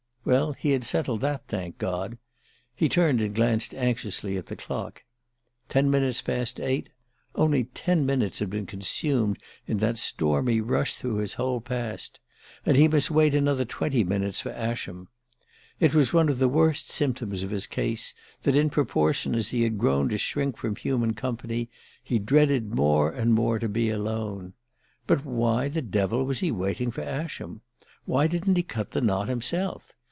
Well, he had settled that, thank God! He turned and glanced anxiously at the clock. Ten minutes past eight only ten minutes had been consumed in that stormy rush through his whole past! And he must wait another twenty minutes for Ascham. It was one of the worst symptoms of his case that, in proportion as he had grown to shrink from human company, he dreaded more and more to be alone. ... But why the devil was he waiting for Ascham? Why didn't he cut the knot himself?